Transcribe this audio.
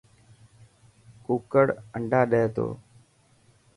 ڪوڪڙ انڊا ڏي تو.